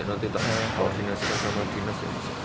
nanti tak ada koordinasinya sama dinas